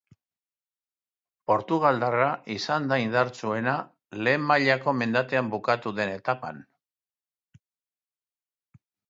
Portugaldarra izan da indartsuena lehen mailako mendatean bukatu den etapan.